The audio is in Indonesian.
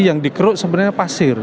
yang dikerut sebenarnya pasir